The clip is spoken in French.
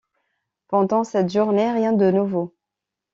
Pendant cette journée, rien de nouveau.